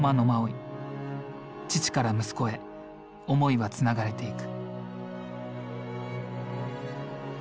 父から息子へ思いはつながれていく。